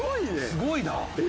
すごいな！